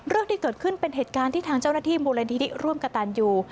เรื่องที่เกิดขึ้นเป็นเหตุการณ์ที่ทางเจ้าหน้าที่มูลนิธิร่วมกับตันยู